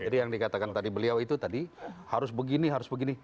yang dikatakan tadi beliau itu tadi harus begini harus begini